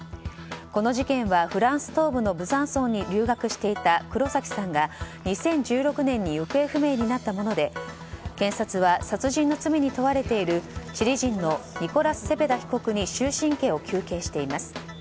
この事件はフランス東部のブザンソンに留学していた黒崎さんが２０１６年に行方不明になったもので検察は殺人の罪に問われているチリ人のニコラス・セペダ被告に終身刑を求刑しています。